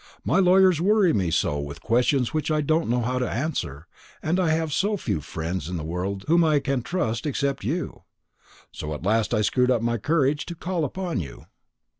My lawyers worry me so with questions which I don't know how to answer, and I have so few friends in the world whom I can trust except you; so at last I screwed up my courage to call upon you."